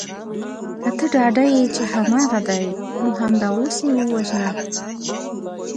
که ته ډاډه یې چې هماغه دی نو همدا اوس یې ووژنه